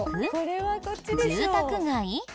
住宅街？